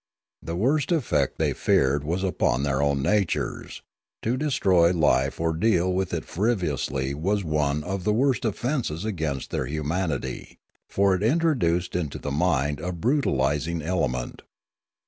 The worst effect they feared was upon their own natures; to destroy life or deal with it frivolously was one of the worst offences against their humanity, for it introduced into the mind a brutalising element.